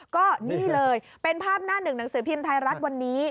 ก็นี่เลยเป็นภาพหน้าหนึ่งหนังสือพิมพ์ไทยรัฐวันนี้